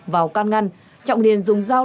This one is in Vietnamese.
vào can ngăn trọng liền dùng dao